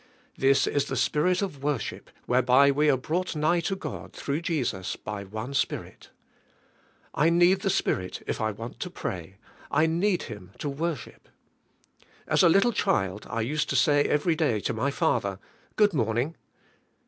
This is the Spirit of zuor ship whereby we are broug ht nigh to God through Jesus by one Spirit. I need the Spirit if I want to pray, I need Him to worship. As a< little child I used to say every day to my father, "Good morning."